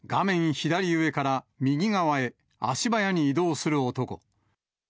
左上から、右側へ、足早に移動する男。